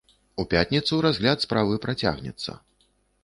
У пятніцу разгляд справы працягнецца.